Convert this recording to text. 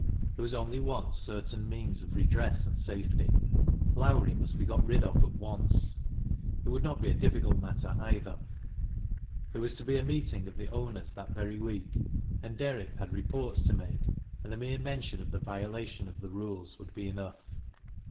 There was on y one certain means of redress and safety, — Lowrie must be gjii rid of at once. It would not be a difficult matter either There was to be a meeting of the owners that very week, and Derrick had reports to make, and the mere mention 3f the violation of the rules would be enough.